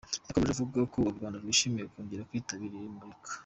Yakomeje avuga ko u Rwanda rwishimiye kongera kwitabira iri murika.